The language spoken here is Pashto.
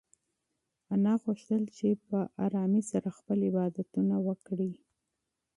انا غوښتل چې په ارامۍ سره خپل عبادتونه وکړي.